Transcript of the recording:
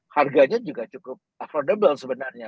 harganya juga cukup affodable sebenarnya